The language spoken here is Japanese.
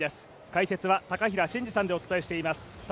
解説は高平慎士さんでお伝えしています。